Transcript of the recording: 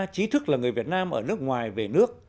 trí thức là người việt nam ở nước ngoài về nước